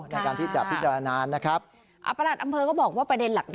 ในการที่จะพิจารณานะครับประหลัดอำเภอก็บอกว่าประเด็นหลัก